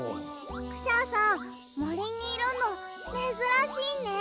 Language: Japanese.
クシャさんもりにいるのめずらしいね。